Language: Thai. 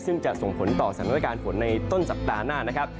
ซึ่งจะส่งผลต่อสถานการณ์ฝนในต้นสัปดาห์หน้านะครับ